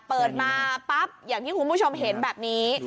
เปิดมาปั๊บอย่างที่คุณผู้ชมเห็นแบบนี้